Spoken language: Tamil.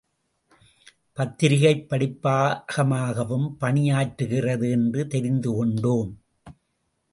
பத்திரிகைப் படிப்பகமாகவும் பணியாற்றுகிறது என்று தெரிந்து கொண்டோம்.